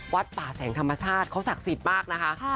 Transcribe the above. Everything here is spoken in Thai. วัดป่าแสงธรรมชาติเขาศักดิ์สิทธิ์มากนะคะ